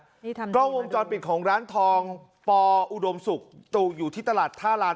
นี่ทำกล้องวงจรปิดของร้านทองปออุดมศุกร์ตู่อยู่ที่ตลาดท่าลาน